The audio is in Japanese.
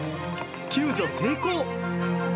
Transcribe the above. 救助成功。